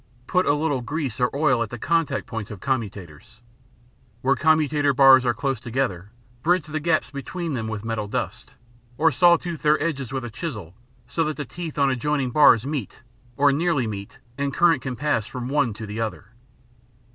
Put a little grease or oil at the contact points of commutators. Where commutator bars are close together bridge the gaps between them with metal dust, or sawtooth their edges with a chisel so that the teeth on adjoining bars meet or nearly meet and current can pass from one to the other.